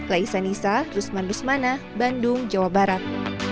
laisa nisa rusman rusmana bandung jawa barat